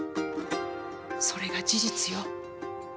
それが事実よ。